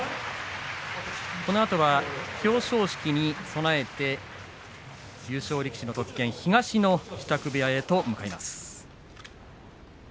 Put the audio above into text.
このあとは表彰式に備えて優勝力士の特権東の支度部屋へと向かいます。